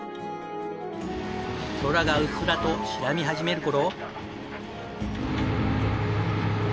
空がうっすらと白み始める頃。